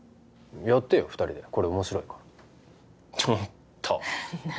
やってよ二人でこれ面白いからちょっと何？